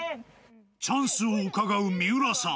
チャンスをうかがう三浦さん